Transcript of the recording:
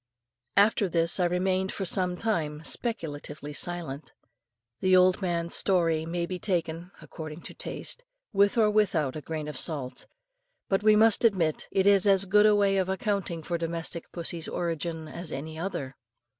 After this I remained for some time speculatively silent. The old man's story may be taken according to taste with or without a grain of salt; but we must admit it is as good a way of accounting for domestic pussy's origin as any other.